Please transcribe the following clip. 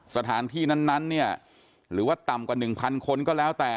สถานที่นั้นเนี่ยหรือว่าต่ำกว่า๑๐๐คนก็แล้วแต่